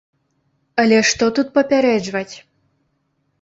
Але што тут папярэджваць?